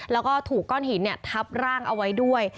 แล้วก็ถูกก้อนหินทับร่างเอาไว้ด้วย